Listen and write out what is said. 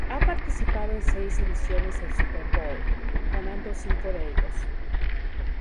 Ha participado en seis ediciones del Super Bowl, ganando cinco de ellos.